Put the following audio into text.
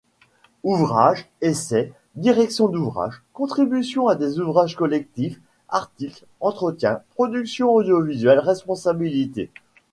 Ouvrages, essai, direction d’ouvrages, contributions à des ouvrages collectifs, articles, entretiens, productions audio-visuelles, responsabilités.